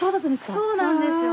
そうなんですよ。